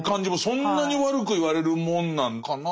そんなに悪く言われるもんなんかなみたいな。